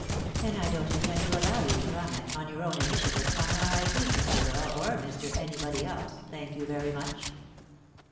" Then I don't intend to allow you to comment, on your own initiative, on how I treat Mr. Earle, or Mr. Anybody else ; thank you very much."